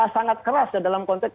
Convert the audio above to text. sangat keras dalam konteks